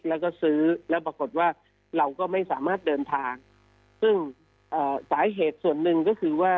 แล้วก็ซื้อแล้วปรากฏว่าเราก็ไม่สามารถเดินทางซึ่งเอ่อสาเหตุส่วนหนึ่งก็คือว่า